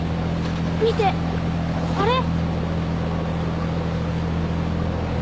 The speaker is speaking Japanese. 見てあれ。